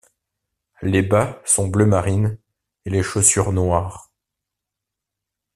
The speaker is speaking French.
Les bas sont bleu marine et les chaussures noires.